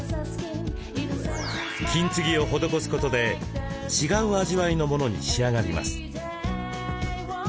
金継ぎを施すことで違う味わいのものに仕上がります。